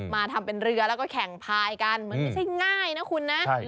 มาทำเป็นเรือแล้วก็แข่งพายกันมันไม่ใช่ง่ายนะคุณนะ